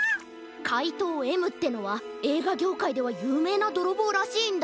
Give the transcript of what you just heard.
かいとうＭってのはえいがぎょうかいではゆうめいなどろぼうらしいんだ。